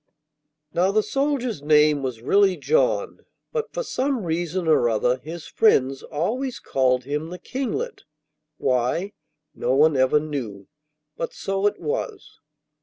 Now the soldier's name was really John, but for some reason or other his friends always called him the Kinglet; why, no one ever knew, but so it was.